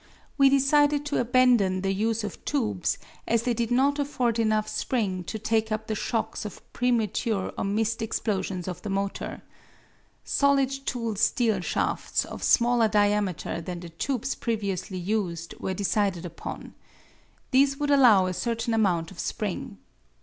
We decided to abandon the use of tubes, as they did not afford enough spring to take up the shocks of premature or missed explosions of the motor. Solid tool steel shafts of smaller diameter than the tubes previously used were decided upon. These would allow a certain amount of spring.